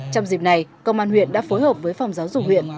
trong dịp này công an huyện đã phối hợp với phòng giáo dục huyện